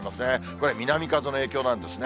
これ、南風の影響なんですね。